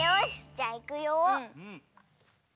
じゃあいくよ！